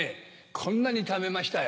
こんなにためましたよ。